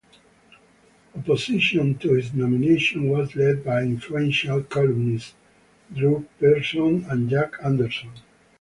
Opposition to his nomination was led by influential columnists Drew Pearson and Jack Anderson.